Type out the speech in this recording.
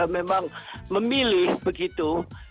memang memilih begitu